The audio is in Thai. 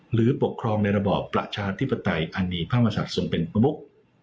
หรือปกครองในระบอบประชาธิปไตยอันนี้พมสัตว์ส่งเป็นมะบุ๊ก